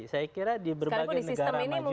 saya kira di berbagai negara maju